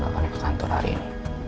gak akan ke kantor hari ini